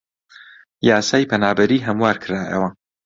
یاسای پەنابەری هەموار کرایەوە